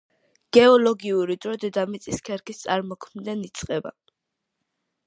გეოლოგიური დრო დედამიწის ქერქის წარმოქმნიდან იწყება.